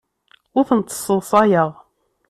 Ur tent-sseḍsayeɣ.